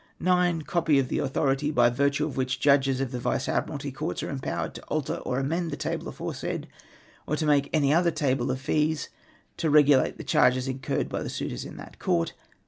9. Copy of the Au thority by virtue of which the Judges of the Vice Admiralty Courts are empowered to alter or amend the Table aforesaid ; or to make any other Table of Fees, to regulate the charges incurred by the suitors in that Court.